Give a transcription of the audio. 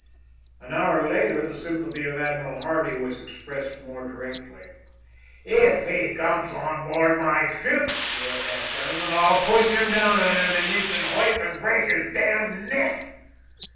An hour later the sympathy of Admiral Hardy was expressed more directly. "If he comes on board my ship," roared that gentleman, "I'll push him down an ammunition hoist and break his damned neck!"